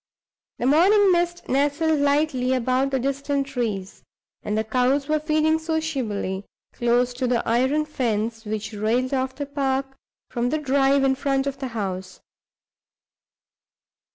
The morning mist nestled lightly about the distant trees; and the cows were feeding sociably, close to the iron fence which railed off the park from the drive in front of the house.